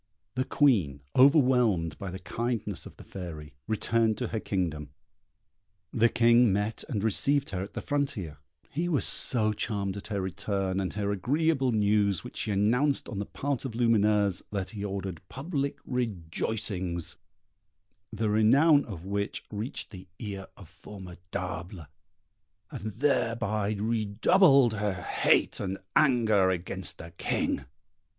The Queen, overwhelmed by the kindness of the Fairy, returned to her kingdom; the King met and received her at the frontier; he was so charmed at her return, and the agreeable news which she announced on the part of Lumineuse, that he ordered public rejoicings, the renown of which reached the ear of Formidable, and thereby redoubled her hate and anger against the King.